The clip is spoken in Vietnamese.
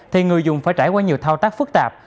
thì người dùng phải trải qua nhiều thao tác phức tạp